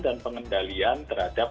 dan pengendalian terhadap